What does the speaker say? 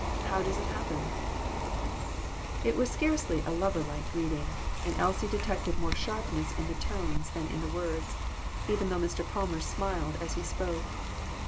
How does it happen ?" It was scarcely a lover like greeting, and Elsie detected more sharpness in the tones than in the words, even though Mr. Palmer smiled as he spoke.